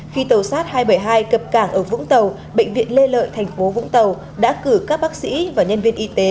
khi tàu sát hai trăm bảy mươi hai cập cảng ở vũng tàu bệnh viện lê lợi thành phố vũng tàu đã cử các bác sĩ và nhân viên y tế